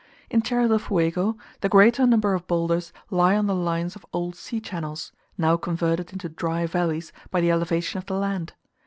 In Tierra del Fuego, the greater number of boulders lie on the lines of old sea channels, now converted into dry valleys by the elevation of the land.